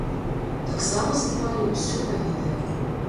Таксама здымалі ўсё на відэа.